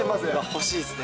欲しいっすね。